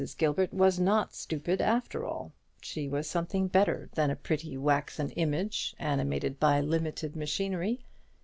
Gilbert was not stupid, after all; she was something better than a pretty waxen image, animated by limited machinery.